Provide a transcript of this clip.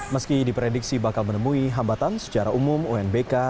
meski diprediksi bakal menemui hambatan secara umum unbk